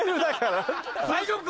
大丈夫か？